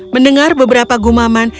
mendengar beberapa gumaman